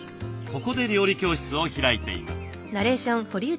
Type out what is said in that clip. ここで料理教室を開いています。